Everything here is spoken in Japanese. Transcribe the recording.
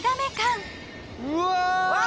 うわ！